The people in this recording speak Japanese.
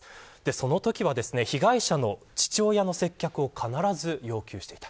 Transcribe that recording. そのときは被害者の父親の接客を必ず要求していた。